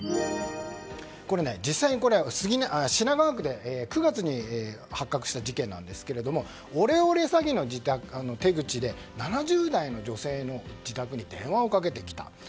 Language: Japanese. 実際、品川区で９月に発覚した事件ですがオレオレ詐欺の手口で７０代の女性の自宅に電話をかけてきた。